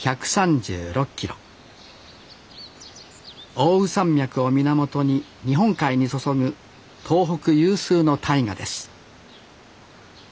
奥羽山脈を源に日本海に注ぐ東北有数の大河です